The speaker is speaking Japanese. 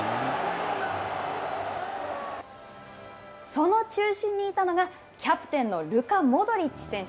その中心にいたのが、キャプテンのルカ・モドリッチ選手。